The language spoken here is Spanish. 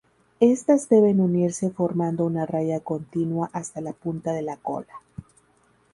Estas deben unirse formando una raya continua hasta la punta de la cola.